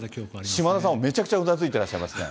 島田さんもめちゃくちゃうなずいてらっしゃいますね。